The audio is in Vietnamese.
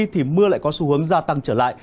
thì mưa lại có xu hướng gia tăng trở lại